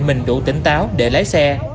mình đủ tỉnh táo để lái xe